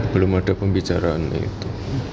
belum ada pembicaraan itu